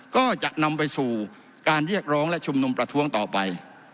ก็จะนำไปสู่การเรียกร้องและชุมนุมประท้วงต่อไป